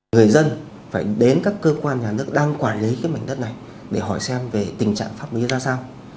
người dân phải đến các cơ quan nhà nước đang quản lý cái mảnh đất này để hỏi xem về tình trạng pháp lý ra sao